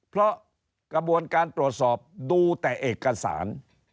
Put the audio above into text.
เพราะกระบวนการตรวจสอบดูแต่เอกสาร